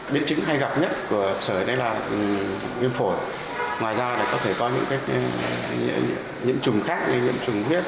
biến chứng hay gặp nhất của sởi đây là viêm phổi ngoài ra có thể có những chủng khác như những chủng huyết